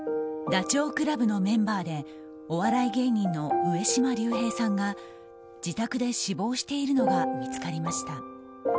ダチョウ倶楽部のメンバーでお笑い芸人の上島竜兵さんが自宅で死亡しているのが見つかりました。